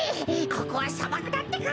ここはさばくだってか。